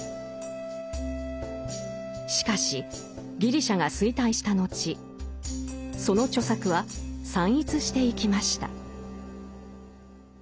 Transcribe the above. しかしギリシャが衰退した後その著作は散逸していきました。